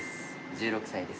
１６歳です